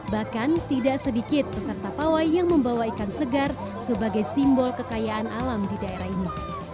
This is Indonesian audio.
bahkan tidak sedikit peserta pawai yang membawa ikan segar sebagai simbol kekayaan alam di daerah ini